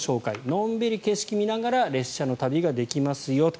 のんびり景色を見ながら列車の旅ができますよと。